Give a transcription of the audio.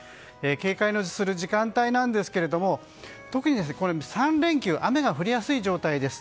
警戒する時間帯ですが特に、３連休雨が降りやすい状態です。